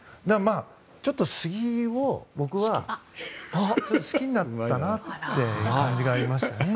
ちょっとスギをスキになったなという感じがありましたね。